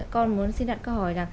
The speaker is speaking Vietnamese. con muốn xin đặt câu hỏi